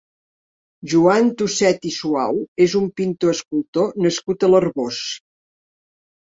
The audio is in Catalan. Joan Tuset i Suau és un pintor escultor nascut a l'Arboç.